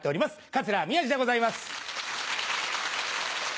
桂宮治でございます。